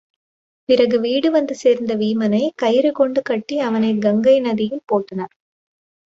பிறகு வீடு வந்து சேர்ந்த வீமனைக் கயிறு கொண்டு கட்டி அவனைக் கங்கை நதியில் போட்டனர்.